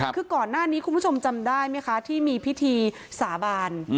คือก่อนหน้านี้คุณผู้ชมจำได้ไหมคะที่มีพิธีสาบาน